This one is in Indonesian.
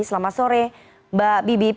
selamat sore mbak bivit